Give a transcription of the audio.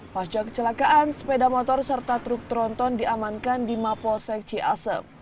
pasca kecelakaan sepeda motor serta truk teronton diamankan di mapo sekci asep